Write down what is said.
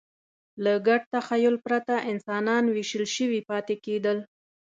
له ګډ تخیل پرته انسانان وېشل شوي پاتې کېدل.